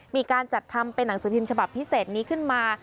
มีการจัดทำเป็นหนังสือพิมพ์ฉบับพิเศษนี้ขึ้นมา